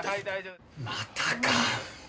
またか。